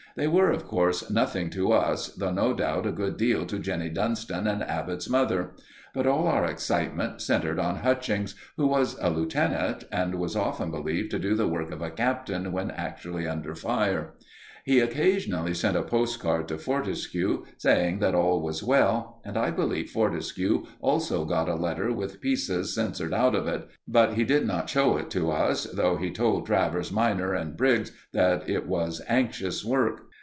They were, of course, nothing to us, though no doubt a good deal to Jenny Dunston and Abbott's mother; but all our excitement centred on Hutchings, who was a lieutenant, and was often believed to do the work of a captain when actually under fire. He occasionally sent a postcard to Fortescue, saying that all was well, and I believe Fortescue also got a letter with pieces censored out of it; but he did not show it to us, though he told Travers minor and Briggs that it was anxious work.